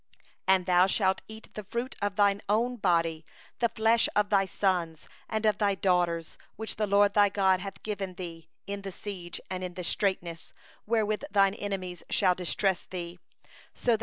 53And thou shalt eat the fruit of thine own body, the flesh of thy sons and of thy daughters whom the LORD thy God hath given thee; in the siege and in the straitness, wherewith thine enemies shall straiten thee.